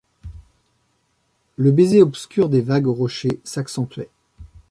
Le baiser obscur des vagues aux rochers s’accentuait.